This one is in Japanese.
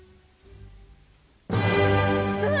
うわ！